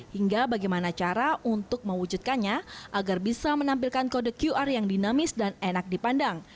hingga bagaimana cara untuk mewujudkannya agar bisa menampilkan kode qr yang dinamis dan enak dipandang